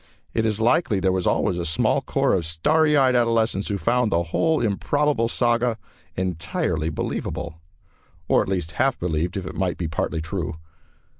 It is likely there was always a small corps of starry eyed adolescents who found the whole improbable saga entirely believable, or at least half believed it might be partly true.